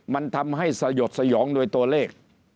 มันทำให้สยดสยองโดยตัวเลข